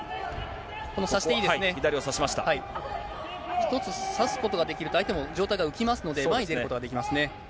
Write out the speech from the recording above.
１つ差すことができると、相手も状態が浮きますので、前に出ることができますね。